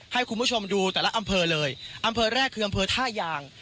ให้คุณผู้ชมดูแต่ละอำเภอเลยอำเภอแรกคืออำเภอท่ายาง